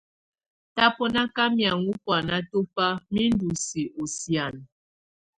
Tabɔnaka mɛaŋɔ́ buana tɔfá mi ndú si ɔ sianə.